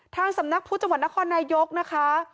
ทางสำนักพุทธจังหวัดนครนายกนะคะ